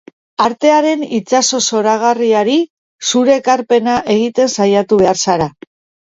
Artearen itsaso zoragarriari zure ekarpena egiten saiatu behar zara.